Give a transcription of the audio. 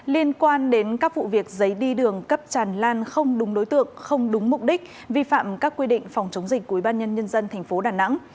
liên quan đến các vụ việc giấy đi đường cấp tràn lan không đúng đối tượng không đúng mục đích vi phạm các quy định phòng chống dịch của ubnd tp đà nẵng